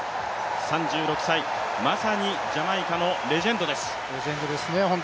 ３６歳、まさにジャマイカのレジェンドです。